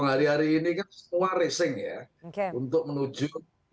hari hari ini kan semua racing ya untuk menuju dua ribu dua puluh empat